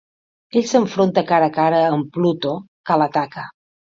Ell s'enfronta cara a cara amb Pluto, que l'ataca.